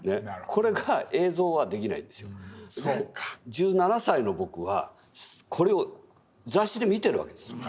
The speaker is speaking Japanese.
１７歳の僕はこれを雑誌で見てるわけです。